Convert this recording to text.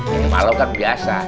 ini malu kan biasa